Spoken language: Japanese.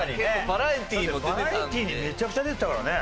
バラエティにめちゃくちゃ出てたからね。